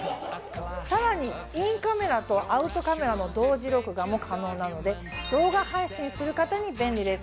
さらにインカメラとアウトカメラの同時録画も可能なので動画配信する方に便利です。